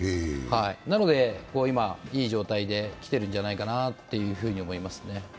なので今、いい状態で来てるんじゃないかなと思いますね。